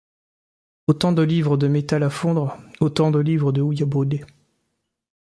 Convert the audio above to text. Autant de livres de métal à fondre, autant de livres de houille à brûler.